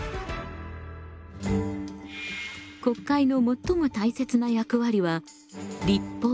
国会の最も大切な役割は立法